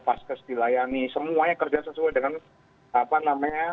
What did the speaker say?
paskes dilayani semuanya kerja sesuai dengan apa namanya